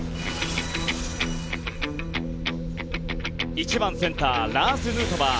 １番センターラーズ・ヌートバー。